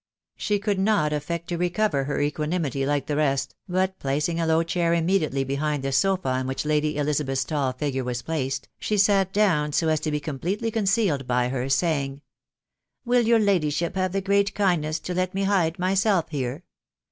She could not affect to recover her equanimity like the rest, but placing a low chair immediately behind the sofa on which Lady Elizabeth's tall figure was placed, she sat down so as to be completely concealed by her, saying, " Will your ladyship have the great kindness to let me hide myself here